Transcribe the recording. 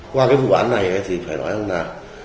qua cái vụ án này thì phải nói là